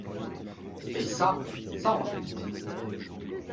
Et ça, ça en jette.